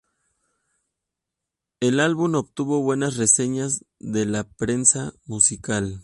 El álbum obtuvo buenas reseñas de la prensa musical.